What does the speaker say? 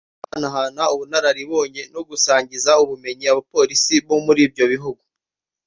guhanahana ubunararibonye no gusangiza ubumenyi abapolisi bo muri ibyo bihugu